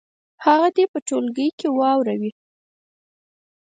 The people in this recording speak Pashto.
هغه دې په ټولګي کې واوروي.